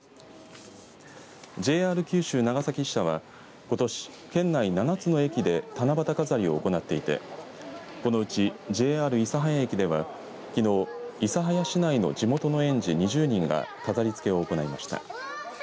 ＪＲ九州長崎支社は、ことし県内７つの駅で七夕飾りを行っていてこのうちＪＲ諫早駅では、きのう諫早市内の地元の園児２０人が飾りつけを行いました。